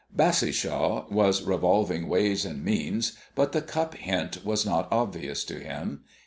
Bassishaw was revolving ways and means, but the cup hint was not obvious to him.